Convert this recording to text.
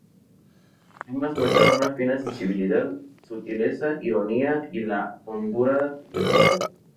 Su poemas muestran una fina sensibilidad, sutileza, ironía, y la hondura de la palabra.